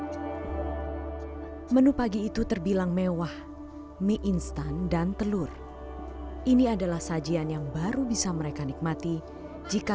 hai menu pagi itu terbilang mewah mie instan dan telur ini adalah sajian yang baru bisa mereka nikmati jika